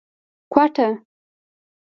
کوټه